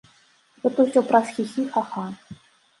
Гэта ўсё праз хі-хі, ха-ха.